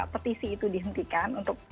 petisi itu dihentikan untuk